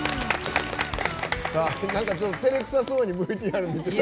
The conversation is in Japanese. なんかちょっとてれくさそうにＶＴＲ見てたけど。